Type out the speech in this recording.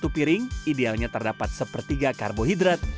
satu piring idealnya terdapat sepertiga karbohidrat